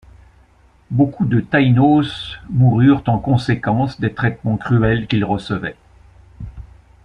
Beaucoup de Taínos moururent en conséquence des traitements cruels qu'ils recevaient.